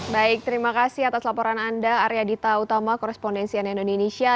baik terima kasih atas laporan anda arya dita utama korespondensian indonesia